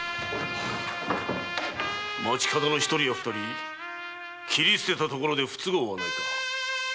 「町方の一人や二人切り捨てたところで不都合はない」か。